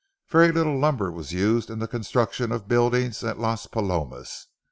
Very little lumber was used in the construction of buildings at Las Palomas.